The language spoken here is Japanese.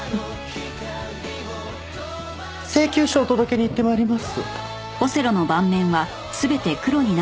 請求書お届けに行って参ります。